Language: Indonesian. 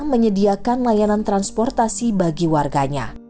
menyediakan layanan transportasi bagi warganya